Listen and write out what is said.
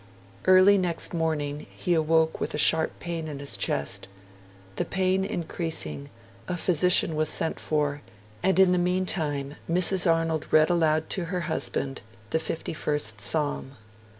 Early next morning he awoke with a sharp pain in his chest. The pain increasing, a physician was sent for; and in the meantime Mrs. Arnold read aloud to her husband the Fifty first Psalm.